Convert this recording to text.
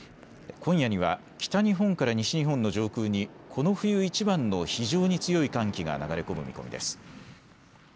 今夜には北日本から西日本の上空にこの冬いちばんの非常に強い寒気が流れ込む見込みです。